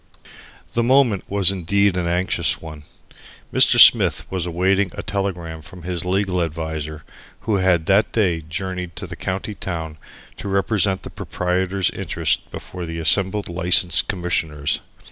The moment was indeed an anxious one. Mr. Smith was awaiting a telegram from his legal adviser who had that day journeyed to the county town to represent the proprietor's interest before the assembled License Commissioners.